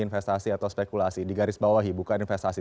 investasi atau spekulasi di garis bawah bukan investasi